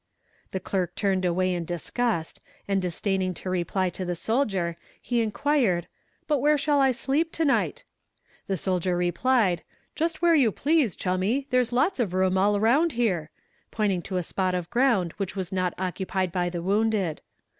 The clerk turned away in disgust, and disdaining to reply to the soldier, he inquired, "But where shall I sleep to night?" The soldier replied, "Just where you please, chummy; there is lots of room all around here," pointing to a spot of ground which was not occupied by the wounded.